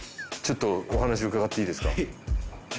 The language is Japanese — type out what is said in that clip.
ちょっとお話伺っていいですか？